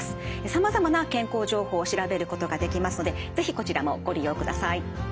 さまざまな健康情報を調べることができますので是非こちらもご利用ください。